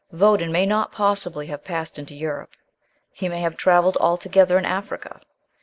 Votan may not, possibly, have passed into Europe; he may have travelled altogether in Africa.